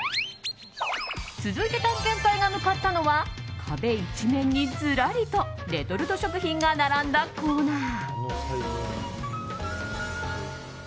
続いて探検隊が向かったのは壁一面にずらりとレトルト食品が並んだコーナー。